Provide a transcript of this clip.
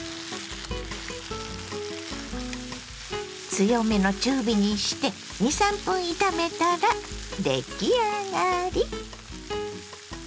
強めの中火にして２３分炒めたら出来上がり。